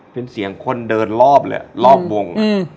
เป็นเสียงคนเดินรอบเลยรอบวง